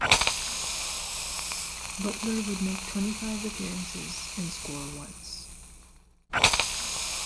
Butler would make twenty-five appearances and score once.